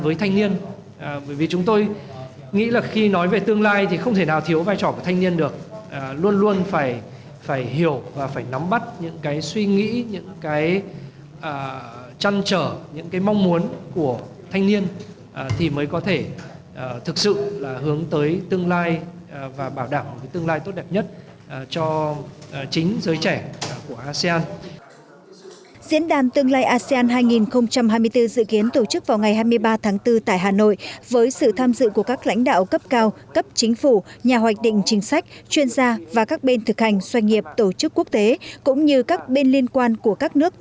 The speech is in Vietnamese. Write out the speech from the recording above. về những đặc trưng và điểm nhấn của diễn đàn tương lai asean hai nghìn hai mươi bốn thứ trưởng bộ ngoại giao đỗ hùng việt thông tin